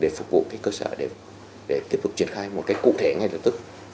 để phục vụ cơ sở để tiếp tục triển khai một cách cụ thể ngay lập tức